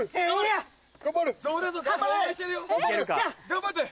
頑張って！